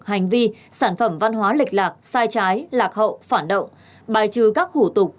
hành vi sản phẩm văn hóa lịch lạc sai trái lạc hậu phản động bài trừ các hủ tục